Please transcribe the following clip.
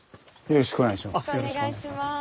よろしくお願いします。